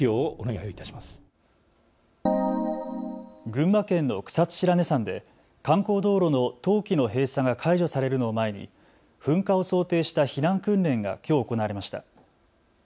群馬県の草津白根山で観光道路の冬期の閉鎖が解除されるのを前に噴火を想定した避難訓練がきょう行われました。